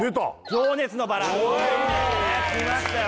「情熱の薔薇」きましたよ